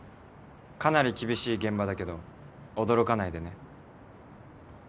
かなり厳しい現場だけど驚かないでね。